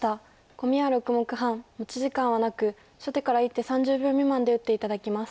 コミは６目半持ち時間はなく初手から１手３０秒未満で打って頂きます。